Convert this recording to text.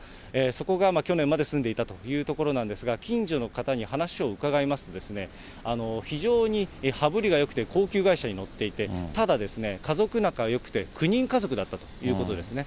そこが去年まで住んでいたという所なんですが、近所の方に話を伺いますと、非常に羽振りがよくて、高級外車に乗っていて、ただですね、家族仲がよくて、９人家族だったということですね。